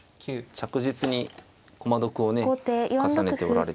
着実に駒得をね重ねておられて。